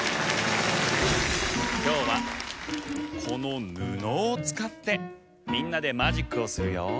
きょうはこのぬのをつかってみんなでマジックをするよ。